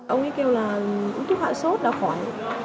ông ấy kêu là uống thuốc hạ sốt là khỏi